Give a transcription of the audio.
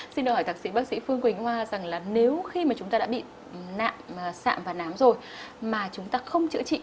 xin hỏi thạc sĩ bác sĩ phương quỳnh hoa rằng là nếu khi mà chúng ta đã bị nạn sạm và nám rồi mà chúng ta không chữa trị